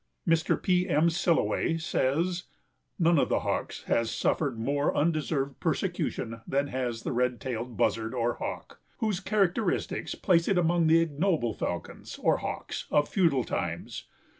Mr. P. M. Silloway says, "None of the Hawks has suffered more undeserved persecution than has the Red tailed Buzzard or Hawk, whose characteristics place it among the ignoble falcons, or hawks, of feudal times.